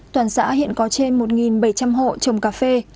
toàn xã hiện có trên một bảy trăm linh hộ trồng cà phê